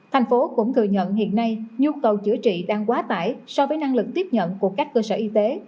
thành phố cũng thừa nhận hiện nay nhu cầu chữa trị đang quá tải so với năng lực tiếp nhận của các cơ sở y tế